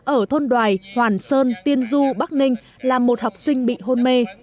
ở thôn đoài hoàn sơn tiên du bắc ninh là một học sinh bị hôn mê